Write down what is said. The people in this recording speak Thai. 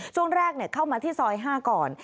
ช่วงแรกเข้ามาที่ซอย๕ก่อน